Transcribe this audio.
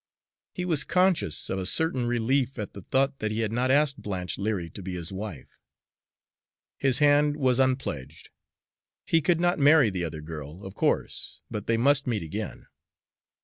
He was conscious of a certain relief at the thought that he had not asked Blanche Leary to be his wife. His hand was unpledged. He could not marry the other girl, of course, but they must meet again.